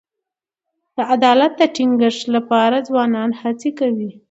د عدالت د ټینګښت لپاره ځوانان هڅي کوي.